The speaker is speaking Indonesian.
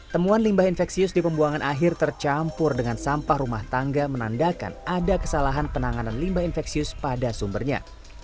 temuan limbah infeksius di pembuangan akhir tercampur dengan sampah rumah tangga menandakan ada kesalahan penanganan limbah infeksius pada sumbernya